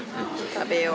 食べよう。